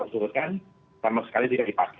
usulkan sama sekali tidak dipakai